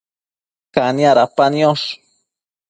Cania dapa niosh